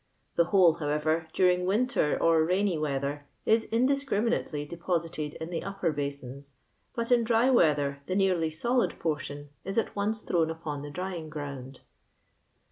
The whole, however, during winter or rainy weather, is indiscriminately deposited in the upper basins; but in diy weather, the neariy solid portion is at once thrown upon the drying ground."